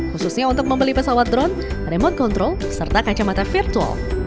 khususnya untuk membeli pesawat drone remote control serta kacamata virtual